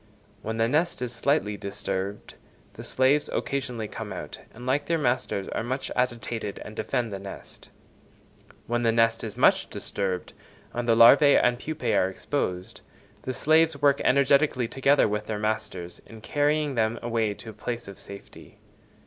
When the nest is slightly disturbed, the slaves occasionally come out, and like their masters are much agitated and defend the nest: when the nest is much disturbed, and the larvæ and pupæ are exposed, the slaves work energetically together with their masters in carrying them away to a place of safety.